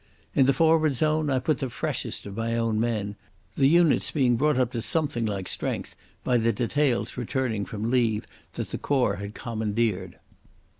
In the forward zone I put the freshest of my own men, the units being brought up to something like strength by the details returning from leave that the Corps had commandeered.